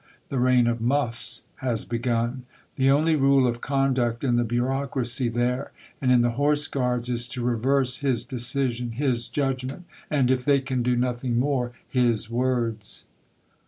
The reign of muffs has begun. The only rule of conduct in the bureaucracy there and in the Horse Guards is to reverse his decision, his judgment, and (if they can do nothing more) his words.